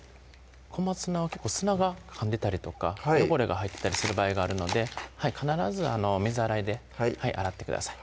小松菜は結構砂がかんでたりとか汚れが入ってたりする場合があるので必ず水洗いで洗ってください